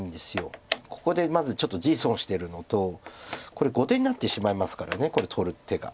ここでまずちょっと地損してるのとこれ後手になってしまいますからこれ取る手が。